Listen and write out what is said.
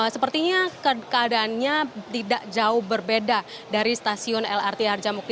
sepertinya keadaannya tidak jauh berbeda dari stasiun lrt harjamukti